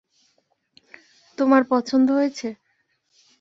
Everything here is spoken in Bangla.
তোমার পছন্দ হয়েছে?